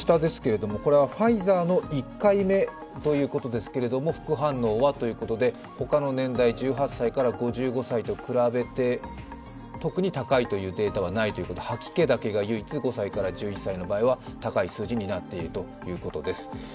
ファイザーの１回目ということですけれども、副反応はということで、他の年代、１８歳から５５歳と比べて特に高いというデータはないということで吐き気だけが唯一、５１１歳は高い数字になっているということです。